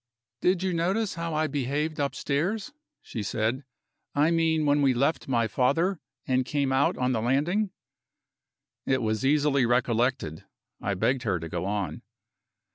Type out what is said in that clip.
"Did you notice how I behaved upstairs?" she said. "I mean when we left my father, and came out on the landing." It was easily recollected; I begged her to go on.